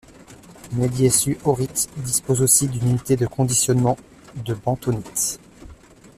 Medieșu Aurit dispose aussi d'une unité de conditionnement de bentonite.